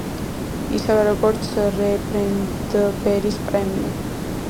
ისევე როგორც რე ბრედბერის პრემია.